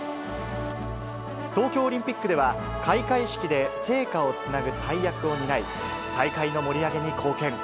東京オリンピックでは、開会式で聖火をつなぐ大役を担い、大会の盛り上げに貢献。